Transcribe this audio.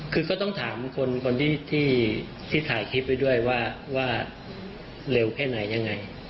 ก็ตายคลิปไว้ด้วยว่าว่าเร็วแค่ไหนยังไง